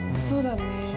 そうだね。